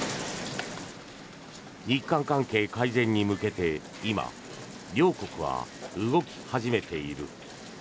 日韓関係改善に向けて今、両国は動き始めている。